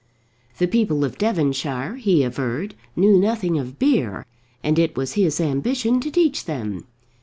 The people of Devonshire, he averred, knew nothing of beer, and it was his ambition to teach them.